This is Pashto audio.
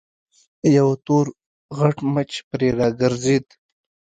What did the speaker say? يو تور غټ مچ پرې راګرځېد.